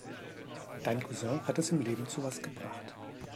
Dein Cousin hat es im Leben zu was gebracht.